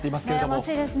悩ましいですね。